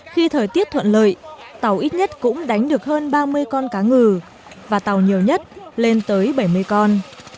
khi thời tiết thuận lợi tàu ít nhất cũng đánh được hơn ba mươi con cá ngừ và tàu nhiều nhất lên tới bảy mươi con